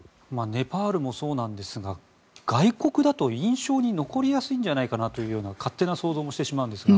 ネパールもそうなんですが外国だと印象に残りやすいんじゃないかと勝手な想像もしてしまうんですが。